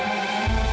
untuk apa bu